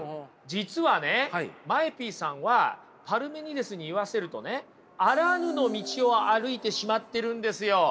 実はねＭＡＥＰさんはパルメニデスに言わせるとねあらぬの道を歩いてしまってるんですよ。